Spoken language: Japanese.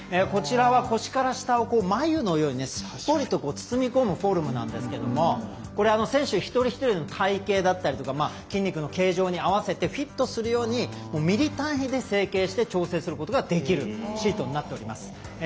こちらは腰から下を繭のようにすっぽりと包み込むフォルムなんですが選手、一人一人の体形だったり筋肉の形状に合わせてフィットするようにミリ単位で成形して調整することができるシートになっております。